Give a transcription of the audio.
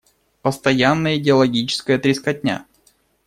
Постоянная идеологическая трескотня.